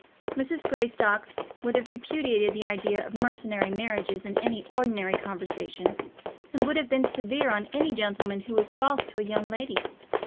Mrs. Greystock would have repudiated the idea of mercenary marriages in any ordinary conversation, and would have been severe on any gentleman who was false to a young lady.